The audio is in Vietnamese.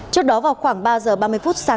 trước đó vào khoảng ba giờ ba mươi phút sáng